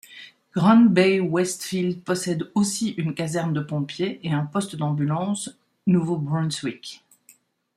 Grand Bay-Westfield possède aussi une caserne de pompiers et un poste d'Ambulance Nouveau-Brunswick.